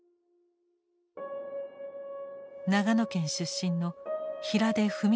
長野県出身の平出文幸さん。